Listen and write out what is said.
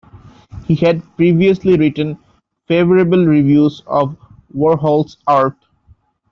He had previously written favorable reviews of Warhol's art.